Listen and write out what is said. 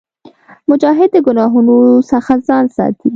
مجاهد د ګناهونو څخه ځان ساتي.